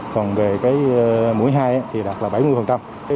còn về cái mũi hai thì đạt là bảy mươi